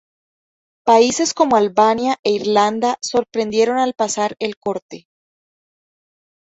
Países como Albania e Irlanda sorprendieron al pasar el corte.